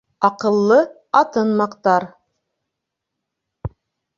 Аҡыллы атын маҡтар